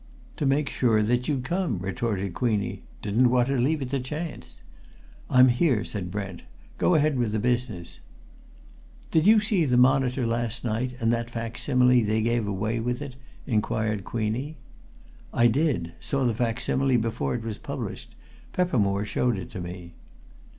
"To make sure that you'd come," retorted Queenie. "Didn't want to leave it to chance." "I'm here!" said Brent. "Go ahead with the business." "Did you see the Monitor last night and that facsimile they gave away with it?" inquired Queenie. "I did! Saw the facsimile before it was published. Peppermore showed it to me."